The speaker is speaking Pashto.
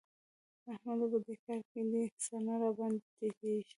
احمده! په دې کار کې دي سر نه راباندې ټيټېږي.